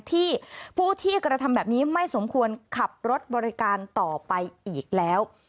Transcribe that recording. ที่ผู้ที่กระทำแบบนี้ไม่สมควรขับรถบริการต่อไปอีกแล้ว